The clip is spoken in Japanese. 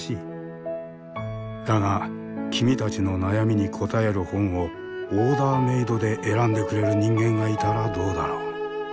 だが君たちの悩みに答える本をオーダーメードで選んでくれる人間がいたらどうだろう？